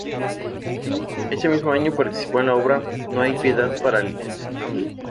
Ese mismo año participó en la obra "No hay piedad para Hamlet".